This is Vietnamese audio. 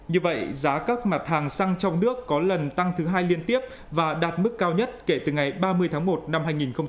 như vậy giá các mặt hàng xăng trong nước có lần tăng thứ hai liên tiếp và đạt mức cao nhất kể từ ngày ba mươi tháng một năm hai nghìn hai mươi